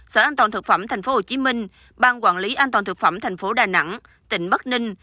sở an toàn thực phẩm tp hcm ban quản lý an toàn thực phẩm thành phố đà nẵng tỉnh bắc ninh